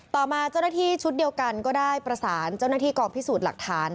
ต่อมาเจ้าหน้าที่ชุดเดียวกันก็ได้ประสานเจ้าหน้าที่กองพิสูจน์หลักฐาน